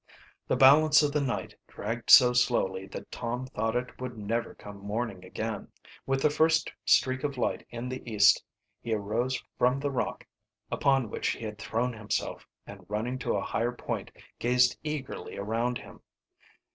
The balance of the night dragged so slowly that Tom thought it would never come morning again. With the first streak of light in the East he arose from the rock upon which he had thrown himself, and running to a higher point gazed eagerly around him.